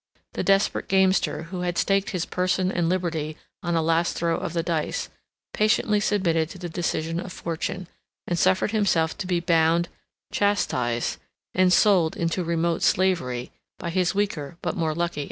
The desperate gamester, who had staked his person and liberty on a last throw of the dice, patiently submitted to the decision of fortune, and suffered himself to be bound, chastised, and sold into remote slavery, by his weaker but more lucky antagonist.